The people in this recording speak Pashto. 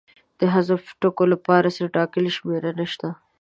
د حذف د ټکو لپاره څه ټاکلې شمېر نشته.